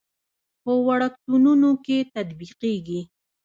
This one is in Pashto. په وړکتونونو کې تطبیقېږي.